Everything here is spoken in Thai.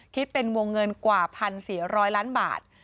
คิดเป็นวงเงินกว่า๑๔๐๐ล้านบาท